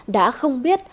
đã không biết